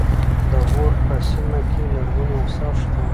د غور په سیمه کې لرغوني اثار شته